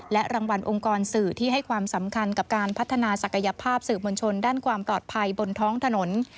รางวัลองค์กรสื่อที่ให้ความสำคัญกับการพัฒนาศักยภาพสื่อมวลชนด้านความปลอดภัยบนท้องถนน